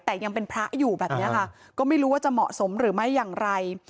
แต่ยังเป็นพระอยู่แบบนี้ค่ะก็ไม่รู้ว่าจะเหมาะสมหรือไม่อย่างไร